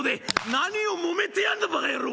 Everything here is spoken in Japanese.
「何をもめてやんだばか野郎！